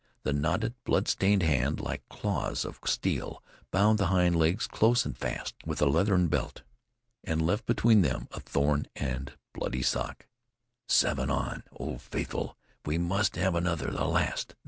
The knotted, blood stained hands, like claws of steel, bound the hind legs close and fast with a leathern belt, and left between them a torn and bloody sock. "Seven! On! Old Faithfull! We MUST have another! the last!